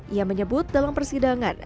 ia menyebut dalam persidangan